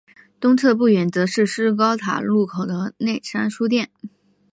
东侧不远则是施高塔路口的内山书店。